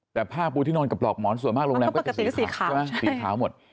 แต่ผ้าปูที่นอนกับหลอกหมอนส่วนมากโรงแรมก็จะสีขาว